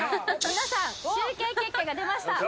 皆さん集計結果が出ました